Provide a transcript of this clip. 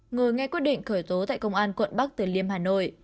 người ngay quyết định khởi tố tại công an quận bắc tuyên liêm hà nội